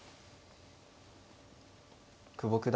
久保九段